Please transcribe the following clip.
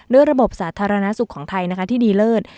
ระบบสาธารณสุขของไทยที่ดีเลิศ